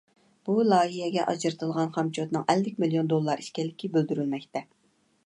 بۇ لايىھەگە ئاجرىتىلغان خامچوتنىڭ ئەللىك مىليون دوللار ئىكەنلىكى بىلدۈرۈلمەكتە.